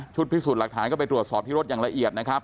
พิสูจน์หลักฐานก็ไปตรวจสอบที่รถอย่างละเอียดนะครับ